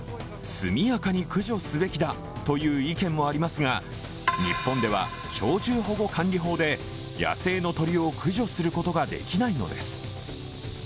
速やかに駆除すべきだという意見もありますが日本では鳥獣保護管理法で野生の鳥を駆除することができないのです。